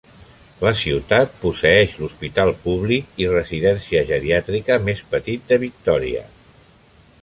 La ciutat posseeix l'hospital públic i residència geriàtrica més petit de Victoria.